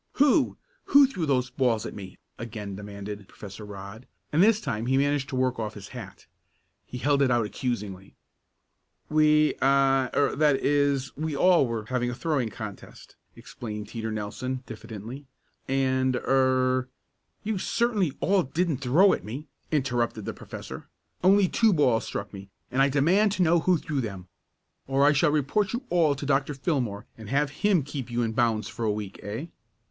"Who who threw those balls at me?" again demanded Professor Rodd, and this time he managed to work off his hat. He held it out accusingly. "We I er that is we all were having a throwing contest," explained Teeter Nelson, diffidently, "and er " "You certainly all didn't throw at me," interrupted the professor. "Only two balls struck me, and I demand to know who threw them. Or shall I report you all to Dr. Fillmore and have him keep you in bounds for a week; eh?"